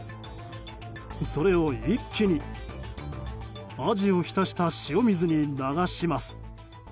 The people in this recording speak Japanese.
それを一気にアジを浸した塩水に流します。